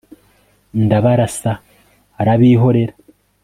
ndabarasa arabihorera